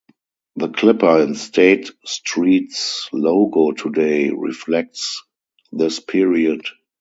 The clipper in State Street's logo today reflects this period.